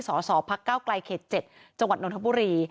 สสพกไกล่เขต๗จนทบุรี